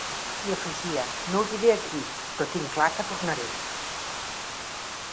I afegia: No ho diré aquí, però tinc clar que tornaré.